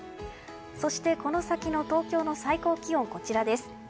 そして、この先の東京の最高気温はこちらです。